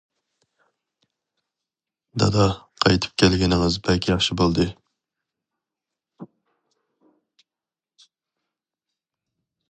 -دادا قايتىپ كەلگىنىڭىز بەك ياخشى بولدى.